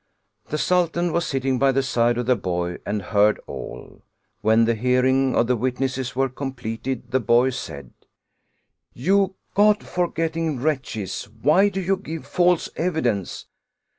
The Sultan was sitting by the side of the boy and heard all; when the hearing of the witnesses was completed, the boy said: "You God forgetting wretches, why do you give false evidence?